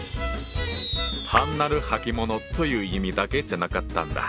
単なる履物という意味だけじゃなかったんだ。